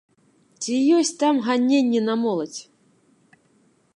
Ці ёсць там ганенні на моладзь?